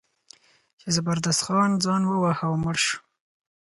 چې زبردست خان ځان وواهه او مړ شو.